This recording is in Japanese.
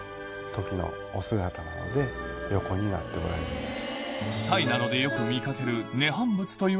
横になっておられます。